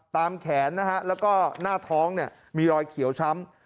แขนนะฮะแล้วก็หน้าท้องเนี่ยมีรอยเขียวช้ำ